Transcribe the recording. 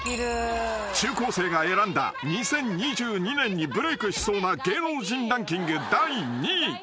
［中高生が選んだ２０２２年にブレークしそうな芸能人ランキング第２位］